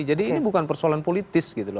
jadi ini bukan persoalan politis gitu loh